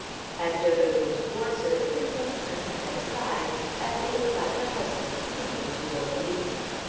As Dodo came towards her, the Princess turned her head aside, as if, like her husband, seeking to avoid the meeting.